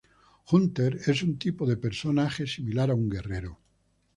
Hunter: Es un tipo de personaje similar a un guerrero.